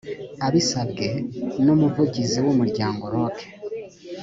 abisabwe n umuvugizi w umuryango rock